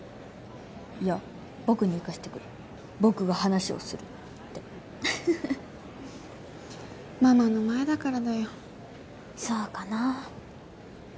「いや僕に行かせてくれ僕が話をする」ってママの前だからだよそうかな